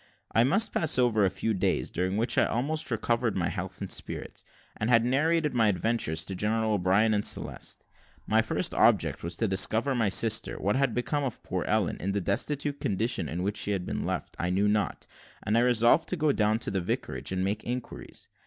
I must pass over a few days, during which I had almost recovered my health and spirits; and had narrated my adventures to General O'Brien and Celeste. My first object was to discover my sister. What had become of poor Ellen, in the destitute condition in which she had been left, I knew not; and I resolved to go down to the vicarage, and make inquiries.